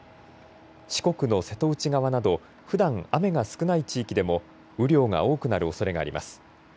四国の瀬戸内側などふだん雨が少ない地域でも雨量が多くなるおそれがあります。